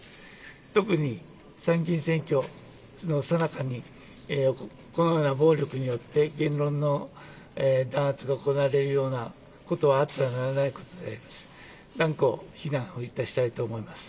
特に参議院選挙のさなかにこのような暴力によって言論の弾圧が行われるようなことはあってはならないことで断固非難をいたしたいと思います。